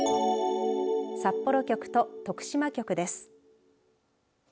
札幌局と徳島局です。